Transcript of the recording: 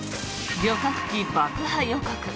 旅客機爆破予告。